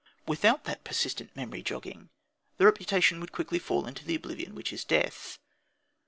Without that persistent memory jogging the reputation would quickly fall into the oblivion which is death.